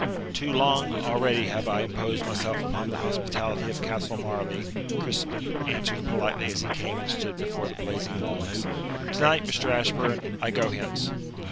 "Too long already have I imposed myself upon the hospitality of Castle Marleigh," Crispin answered politely as he came and stood before the blazing logs. "To night, Mr. Ashburn, I go hence."